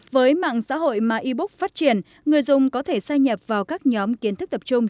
với mạng xã hội mà ebook phát triển người dùng có thể gia nhập vào các nhóm kiến thức tập trung